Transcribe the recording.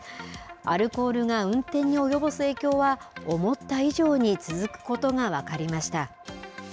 アルコールが運転に及ぼす影響は思った以上に続くことが分かりました。